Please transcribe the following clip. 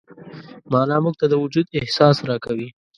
معنی موږ ته د وجود احساس راکوي.